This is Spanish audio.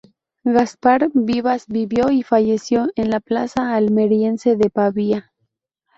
Gaspar Vivas vivió y falleció en la plaza almeriense de Pavía.